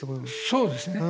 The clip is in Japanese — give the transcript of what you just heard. そうですね。